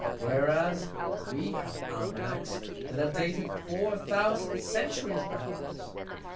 Whereas we have Almanacks that are dated 4000 Centuries backwards.